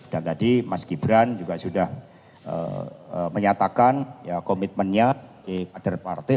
dan tadi mas gibran juga sudah menyatakan komitmennya di kader partai